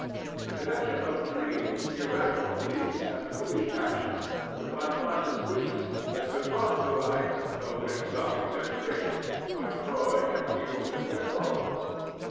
The connection of dreams, irrational beliefs and foolish actions with unconscious wishes has been brought to light, though with some exaggeration, by Freud and Jung and their followers.